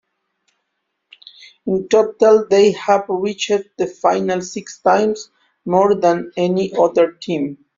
In total they have reached the final six times, more than any other team.